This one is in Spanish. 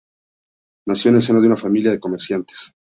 Nació en el seno de una familia de comerciantes.